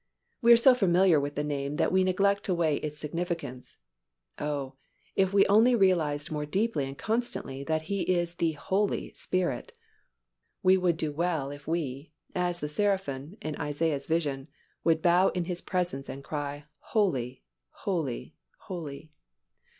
We are so familiar with the name that we neglect to weigh its significance. Oh, if we only realized more deeply and constantly that He is the Holy Spirit. We would do well if we, as the seraphim in Isaiah's vision, would bow in His presence and cry, "Holy, holy, holy."